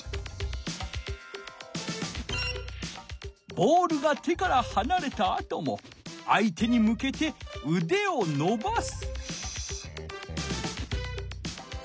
ボールが手からはなれたあとも相手に向けてうでをのばす。